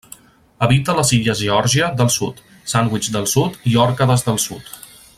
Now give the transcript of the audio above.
Habita les illes Geòrgia del Sud, Sandwich del Sud i Òrcades del Sud.